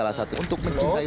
wartawannya cengeng tuh